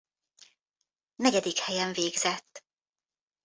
Negyedik helyen végzett.